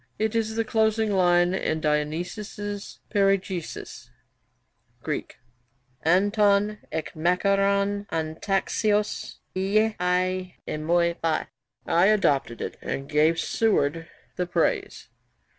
It is the closing line in Dionysius's Periegesis, "[Greek: Anton ek makaron antaxios eiae amoibae.]." I adopted it, and gave Seward the praise.